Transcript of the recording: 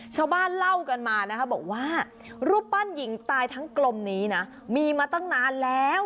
ชาวบ้านเล่ากันมานะคะบอกว่ารูปปั้นหญิงตายทั้งกลมนี้นะมีมาตั้งนานแล้ว